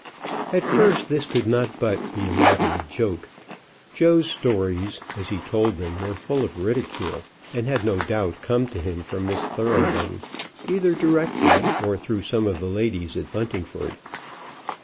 At first this could not but be a matter of joke. Joe's stories as he told them were full of ridicule, and had no doubt come to him from Miss Thoroughbung, either directly or through some of the ladies at Buntingford.